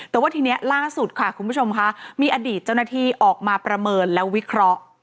แต่ว่าทีนี้ล่าสุดค่ะคุณผู้ชมค่ะมีอดีตเจ้าหน้าที่ออกมาประเมินและวิเคราะห์